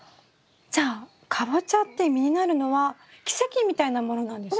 じゃあカボチャって実になるのは奇跡みたいなものなんですね。